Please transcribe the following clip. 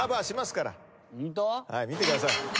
さあ見てください。